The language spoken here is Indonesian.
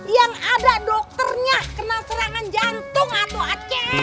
yang ada dokternya kena serangan jantung atau aceh